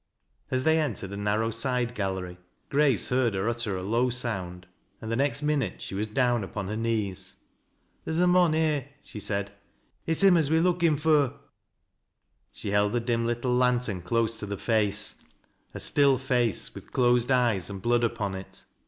As they cntjered a narrow side gallery, Grace heard her utter g \o''\ sound, and the next minute she was down upon hoi knees. " Theer's a mon here," she said. " It's him as we're »<.)kin' fur." She heJd the dim little lantern close to the face, — a stilJ IN TELE PIT. 233 face with closed eyes, and blood upon it.